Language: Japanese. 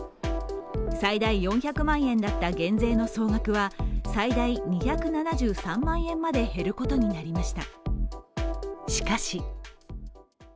最大４００万円だった減税の総額は最大２７３万円まで減ることになりました。